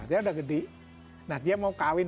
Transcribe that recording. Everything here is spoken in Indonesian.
dia udah gede nah dia mau kawin